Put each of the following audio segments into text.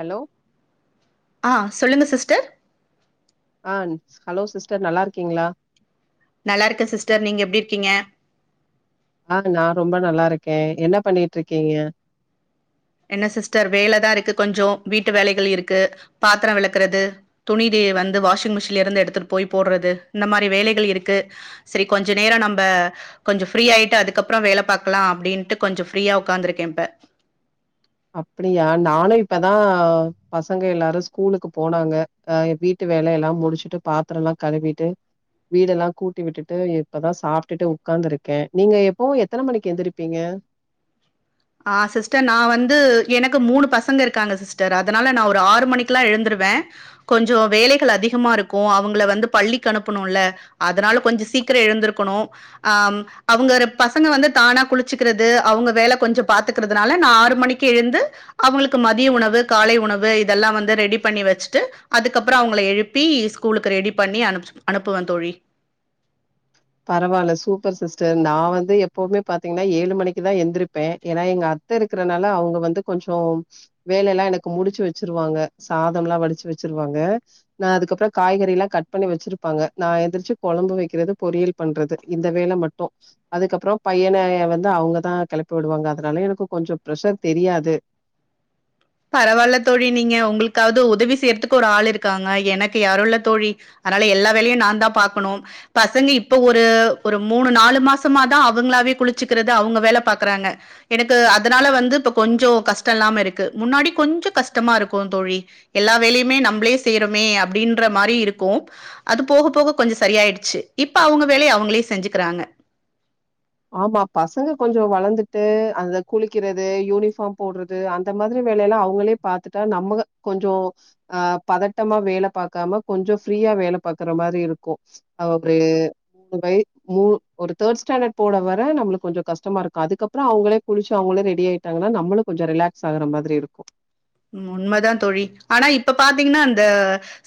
Hello ஆ சொல்லுங்க sister ஆ ஹலோ சிஸ்டர் நல்லா இருக்கீங்ளா நல்லா இருக்க சிஸ்டர் நீங்க எப்டி இருக்கீங்க ஆ நா‌ ரொம்ப நல்லா இருக்க என்ன பண்ணிட்டு இருக்கீங்க என்ன சிஸ்டர் வேல தா இருக்கு கொஞ்சோ வீட்டு வேலைகள் இருக்கு பாத்தரம் விளக்குறது துணிதே வந்து வாஷிங் மிஷின்ல இருந்து எடுத்துட்டு போய் போட்றது இந்த மாறி வேலைகள் இருக்கு செரி கொஞ்ச நேரோ நம்ப கொஞ்சோ ஃப்ரி ஆயிட்டு அதுக்கப்றோ வேல பாக்கலா அப்டின்னுட்டு கொஞ்சோ ஃப்ரியா உக்காந்துருக்க இப்ப அப்பிடியா நானு இப்பதா பசங்க எல்லாரு ஸ்கூலுக்கு போனாங்க ஆ வீட்டு வேல எல்லா முடிச்சுட்டு பாத்தரோ எல்லா கழுவிட்டு வீடெல்லா கூட்டி விட்டுட்டு இப்பதா சாப்ட்டு உக்காந்துருக்க நீங்க எப்பவு எத்தன மணிக்கு எந்திருப்பீங்க ஆ சிஸ்டர் நா வந்து எனக்கு மூணு பசங்க இருக்காங்க சிஸ்டர் அதனால நா ஒரு ஆறு மணிக்கெல்லா எழுந்துருவ கொஞ்சோ வேலைகள் அதிகமா இருக்கு அவங்கள வந்து பள்ளிக்கு அனுப்பனுல அதனால கொஞ்சோ சீக்கிர எழுந்திருக்கணு ஆ அவங்கரு பசங்க வந்து தானா குளிச்சிக்கிறது அவங்க வேல கொஞ்ச பாத்துக்கிறதுனால நா ஆறு மணிக்கு எழுந்து அவங்களுக்கு மதிய உணவு காலை உணவு இதெல்லா வந்து ரெடி பண்ணி வெச்சிட்டு அதுக்கப்றோ அவங்கள எழுப்பி ஸ்கூலுக்கு ரெடி பண்ணி அனு அனுப்புவ தோழி பரவாயில்ல சூப்பர் சிஸ்டர் நா வந்து எப்போவுமே பாத்தீங்கன்னா ஏழு மணிக்குதா எந்திருப்ப ஏன்னா எங்க அத் த்த இருக்கறனால அவங்க வந்து கொஞ்சோ வேல எல்லா எனக்கு முடிச்சி வெச்சிருவாங்க சாதம் எல்லா வடிச்சி வெச்சிருவாங்க நா அதுக்கப்றோ காய்கறி எல்லா கட் பண்ணி வெச்சிருப்பாங்க நா எந்திரச்சி கொழம்பு வைக்கிறது பொரியல் பண்றது இந்த வேல மட்டு அதுக்கப்புறோ பையன வந்து அவங்கதா கெளப்பி விடுவாங்க அதனால எனக்கு கொஞ்சோ பிரெஷர் தெரியாது பரவாயில்ல தோழி நீங்க உங்களுக்காவது உதவி செய்யறதுக்கு ஒரு ஆள் இருக்காங்க எனக்கு யாருல்ல தோழி அதனால எல்லா வேலையு நா தா பாக்கணு பசங்க இப்ப ஒரு ஒரு மூணு நாலு மாசமாதா அவங்களாவே குளிச்சுக்கிறது அவங்க வேல பாக்குறாங்க எனக்கு அதனால வந்து இப்ப கொஞ்சோ கஷ்ட இல்லாம இருக்கு முன்னாடி கொஞ்சோ கஷ்டமா இருக்கு தோழி எல்லா வேலையுமே நம்மளே செய்றோமே அப்டின்ற மாரி இருக்கு அது போக போக கொஞ்சோ சரியாயிடுச்சு இப்ப அவங்க வேலைய அவங்களே செஞ்சுக்கிறாங்க ஆமா பசங்க கொஞ்சோ வளந்துட்டு அந்த குளிக்கிறது யூனிஃபார்ம் போட்ற து அந்த மாரி வேலைய எல்லா அவங்களே பாத்துட்டா நம்ம கொஞ்சோ ஆ பதட்டமா வேல பாக்காம கொஞ்சோ ஃப்ரீயா வேல பார்க்குற மாரி இருக்கு [inaudible] ஒரு தேர்ட் ஸ்டாண்டர்ட் போட வர நம்மளுக்கு கொஞ்சோ கஷ்ட இருக்கு அதுக்கப்றோ அவங்களே குளிச்சு அவங்களே ரெடி ஆயிட்டாங்கன்னா நம்மளு கொஞ்ச ரிலாக் சாகற மாரி இருக்கு உண்மதா தோழி ஆனா இப்ப பாத்தீங்னா அந்த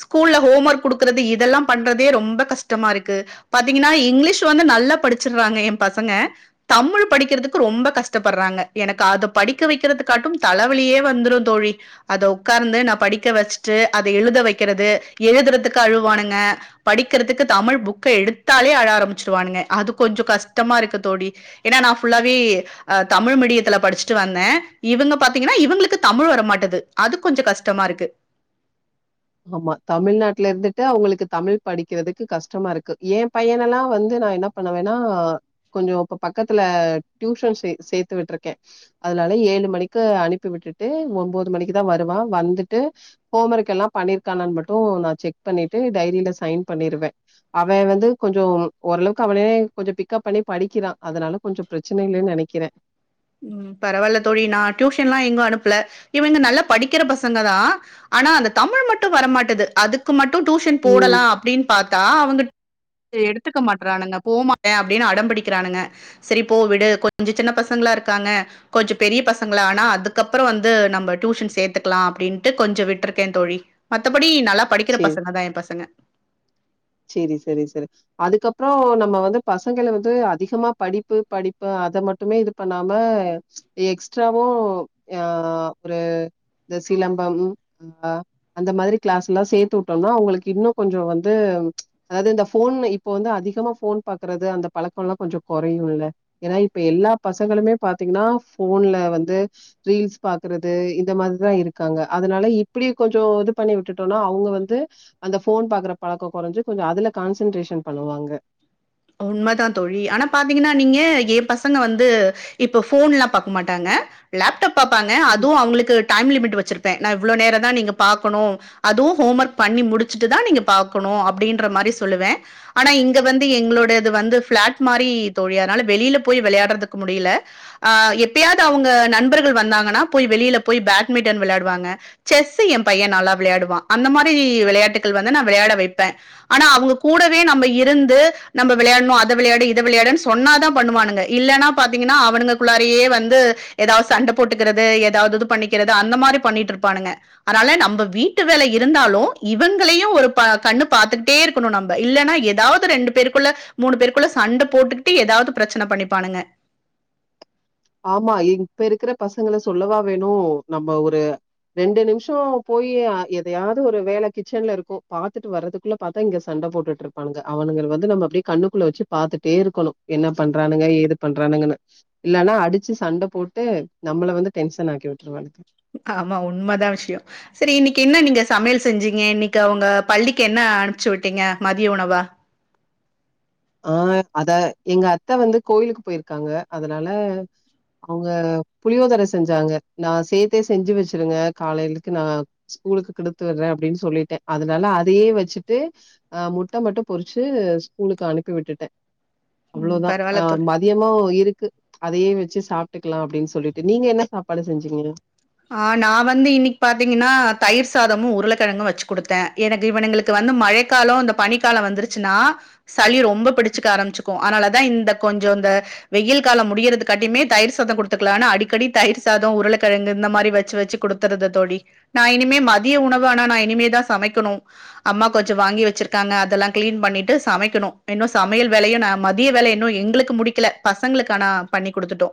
ஸ்கூல்ல ஹோம் ஒர்க் குடுக்குறது இதெல்லா பண்றதே ரொம்ப கஷ்டமா இருக்கு பாத்தீங்கன்னா இங்கிலீஷ் வந்து நல்லா படிச்சறாங்க ஏ பசங்க தமிழ் படிக்கிறதுக்கு ரொம்ப கஷ்டப்பட்றாங்க எனக்கு அத படிக்க வைக்கிறது காட்டும் தலவலியே வந்துரு தோழி அத உக்கார்ந்து நா படிக்க வெச்சிட்டு அத எழுத வைக்கிறது எழுதுறதுக்கு அழுவானுங்க படிக்கிறதுக்கு தமிழ் புக்க எடுத்தாலே அழ ஆரம்பிச்சிருவானுங்க அது கொஞ்சோ கஷ்டமா இருக்கு தோழி ஏன்னா நா ஃபுல்லாவே தமிழ் மீடியத்தில்ல படிச்சுட்டு வந்த இவங்க பாத்தீங்கன்னா இவங்களுக்கு தமிழ் வர மாட்டே து அது கொஞ்ச கஷ்டமா இருக்கு ஆமா தமிழ்நாட்ல இருந்துட்டு அவுங்களுக்கு தமிழ் படிக்கிறதுக்கு கஷ்டமா இருக்கு ஏ பையனெல்லா வந்து நா என்னாப் தன வேணா கொஞ்சோ இப்ப பக்கத்துல டியூஷன் சே சேத்து விட்ருக்கே அதனால ஏழு மணிக்கு அனுப்பி விட்டுட்டு உம்போது மணிக்குதா வருவா வந்துட்டு ஹோம் ஒரகெக்ல்லா பண்ணிருக்கானான் மட்டு நா செக் பண்ணிட்டு டைரியில சைன் பண்ணிருவே அவ வந்து கொஞ்சம் ஓரளவுக்கு அவனே கொஞ்ச பிக்கப் பண்ணி படிக்கிறா அதனால கொஞ்சு ப்ரெச்சன இல்லென் நெனைக்கிறே ம் பரவால்ல தோழி நா டியூஷன்லா எங்கு அனுப்புல இவங்க நல்லா படிக்கிற பசங்க தா ஆனா அந்த தமிழ் மட்டு வரமாட்டது அதுக்கு மட்டு டியூஷன் ம் போடலா அப்படின் பாத்தா அவங்க எடுத்துக்க மாட்டுறானுங்க போமாட்டே அப்டினு அடம் பிடிக்கிறானுங்க செரி போ விடு கொஞ்ச சின்ன பசங்களா இருக்காங்க கொஞ்ச பெரிய பசங்களா ஆனா அதுக்கப்புற வந்து நம்ப டியூஷன் சேத்துக்கலா அப்டின்ட்டு கொஞ்ச விட்ருக்கே தோழி மத்தபடி நல்லா படிக்கிற பசங்கதா எ பசங்க செரி செரி செரி அதுக்கப்பறோ நம்ம வந்து பசங்கள வந்து அதிகமா படிப்பு படிப்பு அத மட்டுமே இது பண்ணாம எக்ஸ்ட்ராவு ஆ ஒரு இந்த சிலம்பம் அ அந்த மாதிரி க்ளாஸ்லா சேத்து உட்டோம்னா அவங்களுக்கு இன்னு கொஞ்சோ வந்து ம் அதாது இந்த ஃபோன் இப்ப வந்து அதிகமா ஃபோன் பாக்குறது அந்த பழக்கோல்லா கொஞ்சோ கொறையுல்ல ஏன்னா இப்ப எல்லா பசங்களுமே பாத்தீங்ன்னா ஃபோன்ல வந்து ரீல்ஸ் பாக்குறது இந்த மாதிரிதா இருக்காங்க அதனால இப்படி கொஞ்சோ இது பண்ணி விட்டுட்டோனா அவுங்க வந்து அந்த ஃபோன் பாக்குற பழக்கோ கொறஞ்சு கொஞ்சு அதுல கான்சன்ட்ரேஷன் பண்ணுவாங்க உண்மதா தோழி ஆனா பாத்தீங்கன்னா நீங்க எ பசங்க வந்து இப்ப ஃபோன்லா பாக்க மாட்டாங்க லேப்டாப் பாப்பாங்க ம். அதுவு அவுங்களுக்கு டைம் லிமிட் வெச்சிருப்ப பா இவ்வளோ நேர தா நீங்க பாக்கணு அதுவு ஹோம் ஒர்க் பண்ணி முடிச்சுட்டுதா நீங்க பாக்கணு அப்டின்ற மாரி சொல்லுவே ஆனா இங்க வந்து எங்களோ இது வந்து ஃபிளாட் மாரி தோழி அதனால வெளியில போய் வெளையாடுறதுக்கு முடியில ஆ எப்பையாது அவுங்க நண்பர்கள் வந்தாங்கன்னா போய் வெளியில போய் பேட்மிட்டன் விளாடுவாங்க செஸ்ஸு எ பைய நல்லா விளையாடுவா அந்த மாரி விளையாட்டுகள் வந்து நா விளையாட வைப்ப ஆனா அவுங்க கூடவே நம்ம இருந்து நம்ப விளையாட்ணு அத விளையாடு இத விளையாடுன் சொன்னாதா பண்ணுவானுங்க இல்லன்னா பாத்தீங்கன்னா அவனுங்ககுள்ளாரியே வந்து எதாவ் சண்ட போட்டுக்கிறது எதாவது இது பண்ணிக்கிறது அந்த மாரி பண்ணிட்ருப்பானுங்க அதனால நம்ப வீட்டு வேல இருந்தாலு இவுங்களையு ஒரு ப கண்ணு பாத்துக்கிட்டே இருக் கனு நம்ப இல்லன்னா எதாவ்து ரெண்டு பேருக் குள்ள மூணு பேருக்குள்ள சண்ட போட்டுக்கிட்டு எதாவ்து ப்ரெச்சன பண்ணிப்பானுங்க ஆமா இப்ப இருக்கிற பசங்கள சொல்லவா வேணு நம்ம ஒரு ரெண்டு நிம்ஷோ போயி அ எதையாது ஒரு வேல கிச்சன்ல இருக்கு பாத்துட்டு வரதுக்குள்ள பாத்தா இங்க சண்ட போட்டுட்டுருப்பானங்க அவனுங்கள வந்து நம்ப அப்டே கண்ணுக்குள்ள வெச்சி பாத்துட்டே இருக்கணு என்ன பண்றானுங்க ஏது பண்றானுங்கனு இல்லனா அ அடிச்சி சண்ட போட்டு நம்மள வந்து டென்ஷன் ஆக்கி விட்டுருவானுங்க ஆமா உண்ம தா விஷியோ செரி இன்னிக்கி என்ன நீங்க சமையல் செஞ்சிங்க இன்னிக்கு அவுங்க பள்ளிக்கு என்ன அனுப்ச்சி விட்டீங்க மதிய உணவா ஆ அத எங்க அத்த வந்து கோயிலுக்கு போயிருக்காங்க அதனால அவுங்க புளியோதர செஞ்சாங்க நா சேத்தே செஞ்சு வெச்சிருங்க காலையிலுக்கு நா ஸ்கூலுக்கு குடுத்து விட்றே அப்டின் சொல்லிட்டே அதுனால அதயே வச்சுட்டு அ முட்ட மட்டு பொறுச்சு ஸ்கூலுக்கு அனுப்பி விட்டுட்டே ம் அவ்ளோதா அ பரவால்ல தோ ம அதிகமா இருக்கு அதயே வச்சு சாப்ட்டுக்கலா அப்டின் சொல்லிட்டு நீங்க என்ன சாப்பாடு செஞ்சீங்க நா வந்து இன்னைக் பாத்தீங்கன்னா தயிர் சாதமு உருளக்கெழங்கு வச்சு குடுத்தே எனக்கு இவனுகளுக்கு வந்து மழைக்காலோ இந்த பனிக்காலோ வந்துருச்சுனா சளி ரொம்ப பிடிச்சிக்க ஆரம்பிச்சுக்கு அதுனாலதா இந்த கொஞ்சோ இந்த வெயில் காலோ முடியறது காட்டியுமே தயிர் சாதோ குடுத்துக்கலானு அடிக்கடி தயிர் சாதோ உருளகெழங்கு இந்த மாரி வச்சு வச்சு குடுத்தற்றது தோழி நா இனிமே மதிய உணவு ஆனா நா இனிமேதா சமைக்கணு அம்மா கொஞ்சோ வாங்கி வச்சுருக்காங்க அதல்லா கிளீன் பண்ணிட்டு சமைக்கணு இன்னு சமையல் வேலையு நா மதிய வேலை இன்னு எங்களுக்கு கு முடிக்கல பசங்களுக்கு ஆனா பண்ணி குடுத்துடோ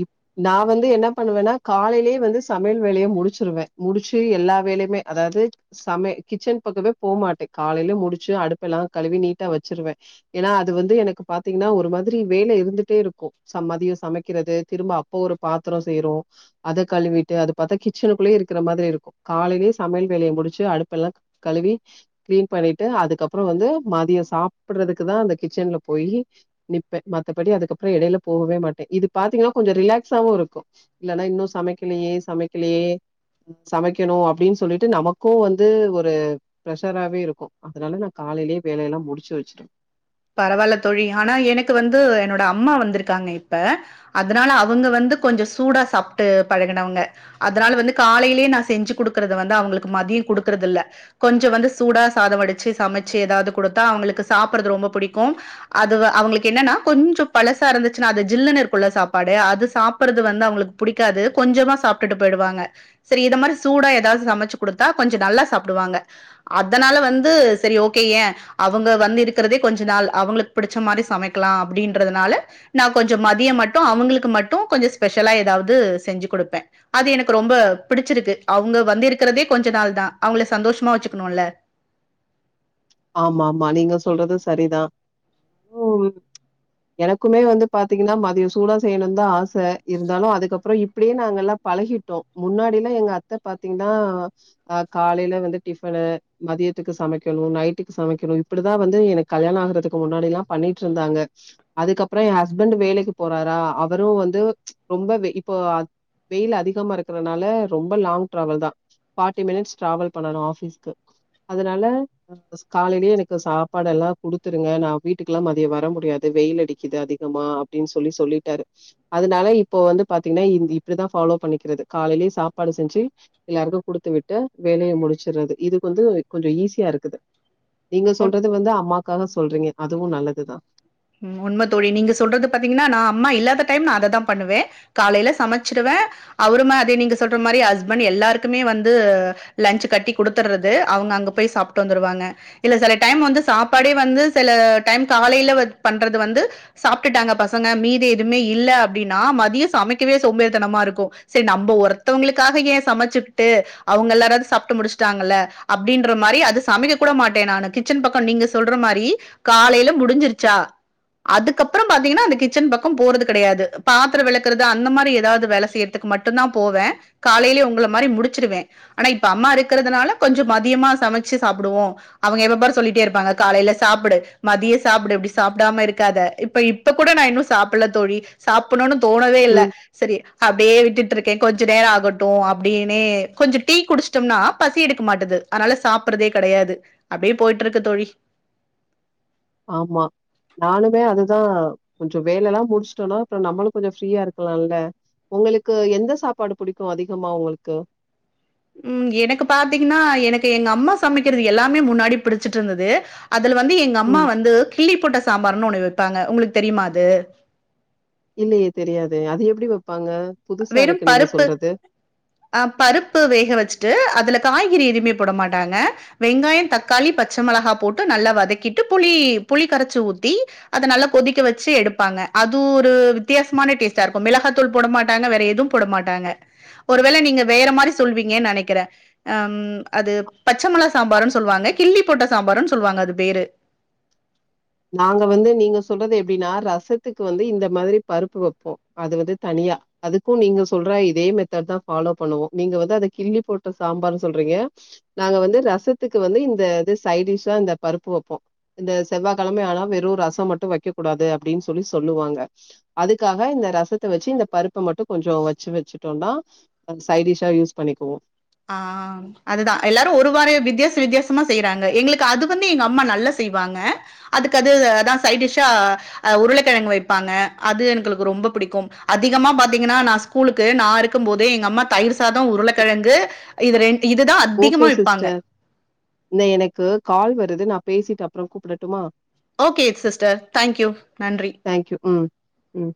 இப் நா வந்து என்னா பண்ணுவேனா காலேலயே வந்து சமையல் வேலய முடுச்சுருவே முடுச்சு எல்லா வேலயுமே அதாவது சமய கிச்சன் பக்கமே போமாட்டே காலேலயே முடுச்சு அடுப்பு எல்லா கழுவி நீட்டா வச்சுருவே ஏனா அது வந்து எனக்கு பாத்தீங்கன்னா ஒரு மாதிரி வேல இருந்துட்டே இருக்கு ச மதியோ சமைக் கிறது திரும்ப அப்ப ஒரு பாத்தரோ சேரு அத கழுவிட்டு அது பாத்தா கிச்சனுக்குள்ளயே இருக்கற மாதிரி இருக்கு காலேலயே சமையல் வேலய முடுச்சு அடுப்பு எல்லா கழுவி கிளீன் பண்ணிட்டு அதுக்கப்பறோ வந்து மதியோ சாப்பற்றதுக்கு தா அந்த கிச்சன்ல போயி நிப்பே மத்தபடி அதுக்கப்பறோ எடேல போகவே மாட்டே இது பாத்தீங்கன்னா கொஞ்சோ ரிலாக்ஸாவு இருக்கு இல்லனா இன்னு சமைக்கலயே சமைக்கலயே சமைக்கணு அப்டின் சொல்லிட்டு நமக்கு வந்து ஒரு பிரஷராவே இருக்கு அதுனால நா காலேலயே வேலையெல்லா முடுச்சு வச்சுடே பரவால்ல தோழி ஆனா எனக்கு வந்து என்னோட அம்மா வந்துருக்காங்க இப்ப அதுனால அவுங்க வந்து கொஞ்சோ சூடா சாப்ட்டு பழகுனவுங்க அதுனால வந்து காலேலயே நா செஞ்சு குடுக்கறத வந்து அவுங்களுக்கு மதிய குடுக்கறது இல்ல கொஞ்சோ வந்து சூடா சாதோ வடுச்சு சமச்சு ஏதாவது குடுத்தா அவுங்களுக்கு சாப்பற்றது ரொம்ப புடிக்கு அது அவுங்களுக்கு என்னன்னா கொஞ்சோ பழசா இருந்துச்சுனா அது ஜில்லுனு இருக்குல்ல சாப்பாடு அது சாப்பற்றது வந்து அவுங்களுக்கு புடிக்காது கொஞ்சமா சாப்ட்டுட்டு போயிடுவாங்க சரி இது மாரி சூடா ஏதாவது சமச்சு குடுத்தா கொஞ்ச நல்லா சாப்டுவாங்க அதனால வந்து சரி ஓகே ஏ அவுங்க வந்து இருக்கறதே கொஞ்ச நாள் அவுங்களுக்கு புடிச்ச மாரி சமைக்கலா அப்டின்றதுனால நா கொஞ்சோ மதியம் மட்டு அவுங்களுக்கு மட்டு கொஞ்சோ ஸ்பெஷ்லா ஏதாவது செஞ்சு குடுப்பே அது எனக்கு ரொம்ப பிடிச்சுருக்கு அவுங்க வந்திருக்கிறதே கொஞ்ச நாள் தா அவுங்கள சந்தோஷமா வச்சுக்கணுல்ல ஆமா ஆமா நீங்க சொல்றது சரிதா ம் எனக்குமே வந்து பாத்தீங்கன்னா மதியோ சூடா செய்யணுன் தா ஆச இருந்தாலு அதுக்கப்பறோ இப்டியே நாங்க எல்லா பழகிட்டோ முன்னாடிலா எங்க அத்த பாத்தீங்ன்னா அ காலேல வந்து டிஃபனு மதியத்துக்கு சமைக்கணு நைட் டுக்கு சமைக்கணு இப்டிதா வந்து எனக்கு கல்யாண ஆகறதுக்கு முன்னாடில்லா பண்ணிட்டிருந்தாங்க அதுக்கப்பறோ எ ஹஸ்பண்ட்டு வேலைக்கு போறாரா அவரு வந்து ரொம்ப வெகி இப்போ வெயில் அதிகமா இருக்கறனால ரொம்ப லாங் டிராவல் தா ஃபார்ட்டி மினிட்ஸ் டிராவல் பண்ணணு ஆஃபீஸ்க்கு அதுனால காலேலயே எனக்கு சாப்பாடல்லா குடுத்துருங்க நா வீட்டுக்கல்லா மதியோ வர முடியாது வெயில் அடிக்குது அதிகமா அப்டின் சொல்லி சொல்லிட்டாரு அதுனால இப்போ வந்து பாத்தீங்கன்னா இந்த இப்டிதா ஃபாலோ பண்ணிக்கறது காலேலயே சாப்பாடு செஞ்சு எல்லாருக்கு குடுத்து விட்டு வேலய முடுச்சுற்றது இதுக்கு வந்து கொஞ்சோ ஈஸியா இருக்குது நீங்க சொல்றது வந்து அம்மாக்காக சொல்றீங்க அதுவு நல்லதுதா ம் உண்ம தோழி நீங்க சொல்றது பாத்தீங்கன்னா நா அம்மா இல்லாத டைம் நா அததா பண்ணுவ காலைல சமைச்சிருவே அவரும அதே நீங்க சொல்ற மாரி ஹஸ்பண்ட் எல்லாருக்குமே வந்து லஞ்ச் கட்டி குடுத்தறது அவங்க அங்க போய் சாப்ட்டு வந்துருவாங்க இல்ல செல டைம் வந்து சாப்பாடே வந்து செல டைம் காலைல வக் பண்றது வந்து சாப்ட்டுட்டாங்க பசங்க மீதி எதுவுமே இல்ல அப்டின்னா மதியோ சமைக்கவே சோம்போறித்தனமா இருக்கு செரி நம்ம ஒருத்தவங்களுக்காக ஏ சமைச்சிக்குட்டு அவுங்க எல்லாராது சாப்ட்டு முடிச்ட்டாங்கல்ல அப்டின்ற மாரி அது சமைக்க கூட மாட்டே நானு கிச்சன் பக்கொ நீங்க சொல்ற மாரி காலைல முடிஞ்சிருச்சா அதுக்கப்பறோ பாத்தீங்கன்னா அந்த கிச்சன் பக்கம் போறது கெடையாது பாத்தரோ வெளக்கறது அந்த மாரி எதாவ்து வேல செய்ய த்துக்கு மட்டுந்தா போவே காலைலே உங்கள மாரி முடிச்சிருவே ஆனா இப்ப அம்மா இருக்கறதுனால கொஞ்சொ மதியமா சமைச்சு சாப்புடுவோ அவங்க எப்ப பாரு சொல்லிட்டே இருப்பாங்க காலைல சாப்புடு மதியொ சாப்புடு இப்டி சாப் டாம இருக்காத இப்ப இப்ப கூட நா இன்னு சாப்புல தோழி சாப்புணுன்னு தோணவே இல்ல ம் சரி அப்டியே விட்டுட்டு இருக்கே கொஞ்சொ நேரோ ஆகட்டு அப்டின்னே கொஞ்சொ டீ குடிச் ட்டம்னா பசி எடுக்க மாட்டது அதனால சாப்பறதே கெடையாது அப்டியே போயிட்டு இருக்கு தோழி ஆமா நானுமே அதுதா கொஞ்சொ வேலை எல்லா முடிச்சுட்டோனா அப்றோ நம்மளு கொஞ்சொ ஃப்ரீயா இருக்கலால்ல உங்களுக்கு எந்த சாப்பாடு புடிக்கு அதிகமா உங்களுக்கு ம் எனக்கு பாத்தீங்கன்னா எனக்கு எங்க அம்மா சமைக்கிறது எல்லாமே முன்னாடி புடிச்சிட்டுருந்தது அதுல வந்து எங்க ம் அம்மா வந்து கிள்ளி போட்ட சாம்பார்னு ஒன்னு வைப்பாங்க உங்களுக்கு தெரியுமா அது இல்லையே தெரியாதே அது எப்டி வைப்பாங்க வெறும் பருப்பு அ பருப்பு வேக வச்சுட்டு அதுல காய்கறி எதுவுமே போட மாட்டாங்க வெங்காயோ தக்காளி பச்ச மொளகா போட்டு நல்லா வதக்கிட்டு புளி புளி கரச்சு ஊத்தி அத நல்லா கொதிக்க வச்சு எடுப்பாங்க அது ஒரு வித்தியாசமான டேஸ்ட்டா இருக்கு மிளகாத்தூள் போட மாட் டாங்க வேற எதுவும் போட மாட்டாங்க ஒரு வேள நீங்க வேற மாரி சொல்வீங்கன்னு நெனைக்கிறே அம் அது பச்ச மொளா சாம்பருன்னு சொல்லுவாங்க கிள்ளி போட்ட சாம்பார்ன்னு சொல்லுவாங்க அது பேரு நாங்க வந்து நீங்க சொல்றது எப்டின்னா ரசத்துக்கு வந்து இந்த மாதிரி பருப்பு வப்போ அது வந்து தனியா அதுக்கு நீங்க சொல்ற இதே மெத்தட்தா ஃபாலோ பண்ணுவோ நீங்க வந்து அத கிள்ளி போட்ட சாம்பார்ன்னு சொல்றீங்க நாங்க வந்து ரசத்துக்கு வந்து இந்த இது சைடிஷா இந்த பருப்பு வப்போ இந்த செவ்வா கெழமைலால வெறு ரசோ மட்டு வைக்க கூடாது அப்டின்னு சொல்லி சொல்லுவாங்க அதுக்காக இந்த ரசத்த வச்சு இந்த பருப்ப மட்டு கொஞ்சொ வச்சு வச்சுட்டோனா அத சை டிஷா யூஸ் பண்ணிக்குவோ ஆ அதுதா எல்லாரு ஒரு வார வித்தியாச வித்தியாசமா செய்யறாங்க எங்களுக்கு அது வந்து எங்க அம்மா நல்லா செய்வாங்க அதுக்கு அது அதா சை டிஷ்ஷா அ உருளக்கெழங்கு வைப்பாங்க அது எங்களுக்கு ரொம்ப புடிக்கு அதிகமா பாத்தீங்கன்னா நா ஸ்கூலுக்கு நா இருக்கும் போதே எங்க அம்மா தயிர் சாதோ உருளக்கெழங்கு இது ரெண் ஓகே சிஸ்டர் இந்த எனக்கு கால் வருது நா பேசிட்டு அப்றோ கூப்டட்டுமா ஓகே சிஸ்டர் தேங்க் யூ நன்றி தேங்க் யூ ம் ம்